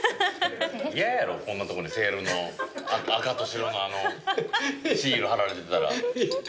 嫌やろこんなとこにセールの赤と白のあのシール貼られてたら。